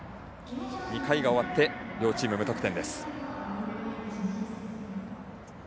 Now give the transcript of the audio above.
２回が終わって両チーム無得点。